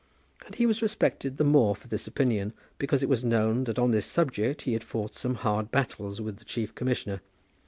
And he was respected the more for this opinion, because it was known that on this subject he had fought some hard battles with the chief commissioner.